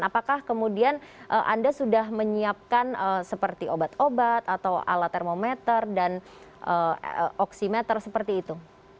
apakah kemudian anda sudah menyiapkan seperti obat obat atau alat termometer dan oksimeter seperti itu